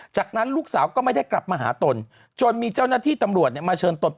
จากนั้นลูกสาวก็ไม่ได้กลับมาหาตนจนมีเจ้าหน้าที่ตำรวจเนี่ยมาเชิญตน